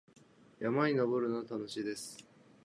山に登るのは楽しいです。